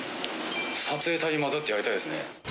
撮影隊に混ざってやりたいですね。